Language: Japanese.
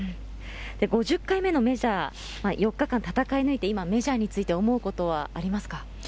５０回目のメジャー、４日間戦い抜いて、今、メジャーについて思うことはありますか。